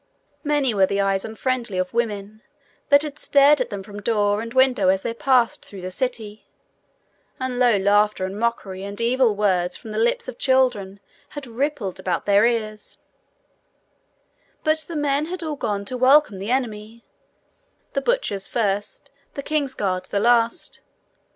Many were the eyes unfriendly of women that had stared at them from door and window as they passed through the city; and low laughter and mockery and evil words from the lips of children had rippled about their ears; but the men were all gone to welcome the enemy, the butchers the first, the king's guard the last.